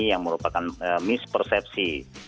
yang merupakan mispersepsi